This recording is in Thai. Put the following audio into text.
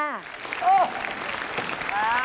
มา